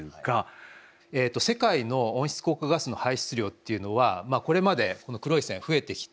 世界の温室効果ガスの排出量というのはこれまでこの黒い線増えてきて